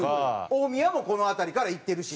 大宮もこの辺りから行ってるし？